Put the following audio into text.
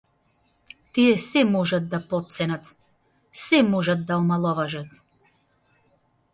Тие сѐ можат да потценат, сѐ можат да омаловажат.